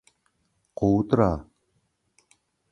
Gowudyra